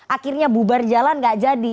akhirnya bubar jalan gak jadi